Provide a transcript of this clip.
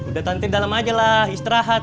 udah tante dalam aja lah istirahat